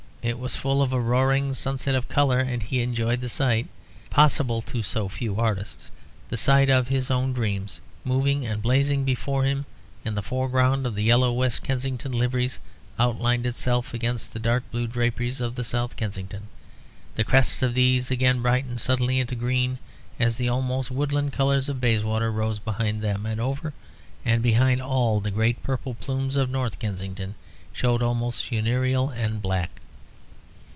It was full of a roaring sunset of colour, and he enjoyed the sight, possible to so few artists the sight of his own dreams moving and blazing before him. In the foreground the yellow of the West Kensington liveries outlined itself against the dark blue draperies of South Kensington. The crests of these again brightened suddenly into green as the almost woodland colours of Bayswater rose behind them. And over and behind all, the great purple plumes of North Kensington showed almost funereal and black.